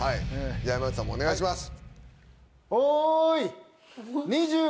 山内さんもお願いします。